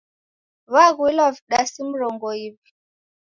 Waghuilwa vidasi mrongo iw'i.